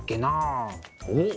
おっ！